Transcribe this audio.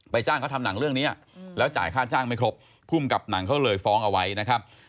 จ้างเขาทำหนังเรื่องนี้แล้วจ่ายค่าจ้างไม่ครบภูมิกับหนังเขาเลยฟ้องเอาไว้นะครับ